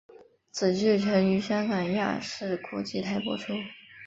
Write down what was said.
此剧曾于香港亚视国际台播出。